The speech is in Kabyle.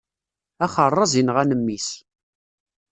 Axeṛṛaz inɣan mmi-s.